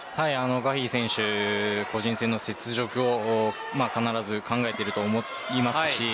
ガヒー選手は個人戦の雪辱を必ず考えていると思います。